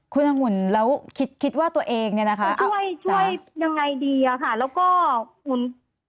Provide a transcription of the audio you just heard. คุณองุ่นแล้วคิดคิดว่าตัวเองเนี่ยนะคะช่วยช่วยยังไงดีอะค่ะแล้วก็หุ่น